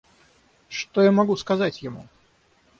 Что я могу сказать ему?